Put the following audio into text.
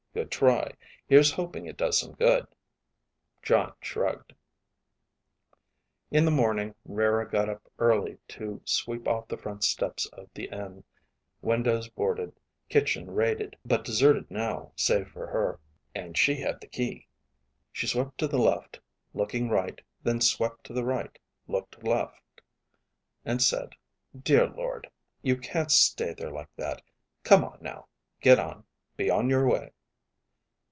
"Good try. Here's hoping it does some good." Jon shrugged. In the morning, Rara got up early to sweep off the front steps of the inn (windows boarded, kitchen raided, but deserted now save for her; and she had the key); she swept to the left, looking right, then swept to the right, looked left, and said, "Dear Lord, you can't stay there like that. Come on, now. Get on, be on your way."